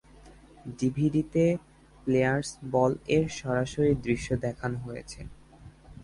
ডিভিডিতে "players ball" এর সরাসরি দৃশ্য দেখানো হয়েছে।